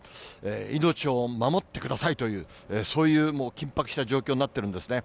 命を守ってくださいという、そういう緊迫した状況になってるんですね。